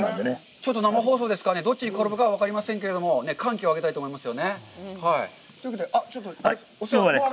ちょっと生放送ですから、どっちに転ぶか分かりませんけれども、歓喜を上げたいと思いますよね。というわけで。